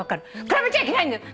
比べちゃいけないんだよ。